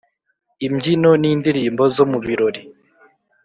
imbyino n’indirimbo zo mu birori